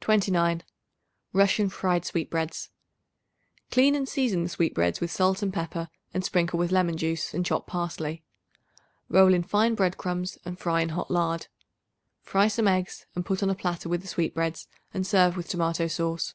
29. Russian Fried Sweetbreads. Clean and season the sweetbreads with salt and pepper and sprinkle with lemon juice and chopped parsley. Roll in fine bread crumbs and fry in hot lard. Fry some eggs and put on a platter with the sweetbreads and serve with tomato sauce.